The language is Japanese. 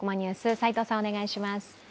齋藤さん、お願いします。